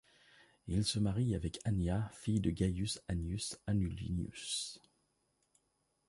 Il se marie avec Annia, fille de Gaius Annius Anullinus.